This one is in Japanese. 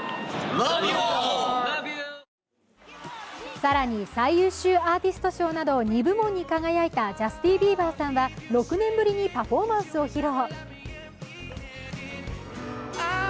更に最優秀アーティスト賞など２部門に輝いたジャスティン・ビーバーさんは６年ぶりにパフォーマンスを披露。